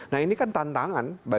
nah ini kan tantangan